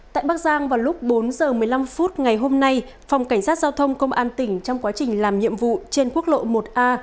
tại bắc giang vào lúc bốn h một mươi năm phút ngày hôm nay phòng cảnh sát giao thông công an tỉnh trong quá trình làm nhiệm vụ trên quốc lộ một a